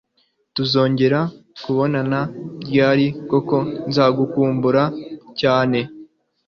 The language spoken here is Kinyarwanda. Tuzongera kubonana ryari kuko nzagukumbura cyane.